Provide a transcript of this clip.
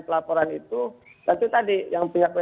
pelaporan itu tentu tadi yang punya